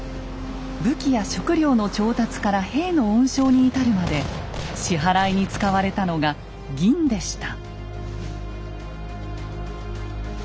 武器や食料の調達から兵の恩賞に至るまで支払いに使われたのが銀でした。